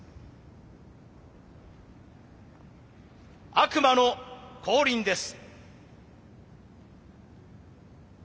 悪魔の降臨です。